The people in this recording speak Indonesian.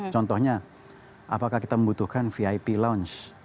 contohnya apakah kita membutuhkan vip lounge